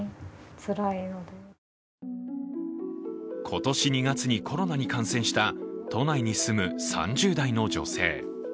今年２月にコロナに感染した都内に住む３０代の女性。